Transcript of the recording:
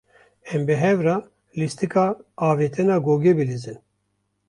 Em bi hev re lîstika avêtina gogê bilîzin.